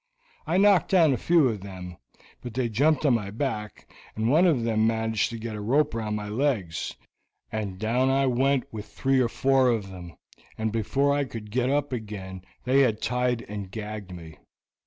I knocked down a few of them, but they jumped on my back, and one of them managed to get a rope round my legs, and down I went with three or four of them, and before I could get up again they had tied and gagged me.